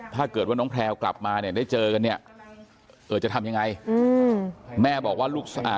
ถ้าเผลอแพรกลับมาได้เจอกันจะทำอย่างไร